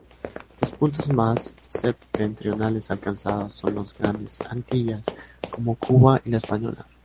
Los puntos más septentrionales alcanzados son las Grandes Antillas, como Cuba y La Española.